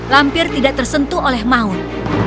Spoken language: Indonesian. lampir tidak tersentuh oleh maut